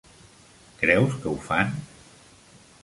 Creus que ho fan?